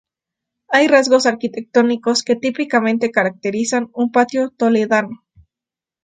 Hay rasgos arquitectónicos que típicamente caracterizan un patio toledano.